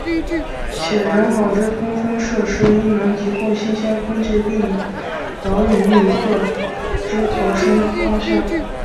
且良好之通风设施应能提供新鲜空气并导引旅客之逃生方向。